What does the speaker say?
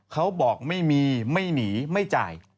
เขาบอกไม่มีไม่หนีไม่จ่าย